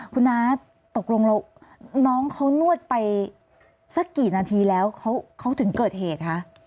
คุณน้าตกลงแล้วน้องเขานวดไปสักกี่นาทีแล้วเขาถึงเกิดเหตุคะ